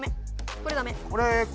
これはダメ。